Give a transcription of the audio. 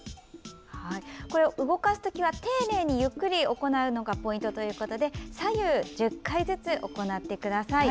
動かすときは丁寧にゆっくり行うのがポイントということで左右１０回ずつ行ってください。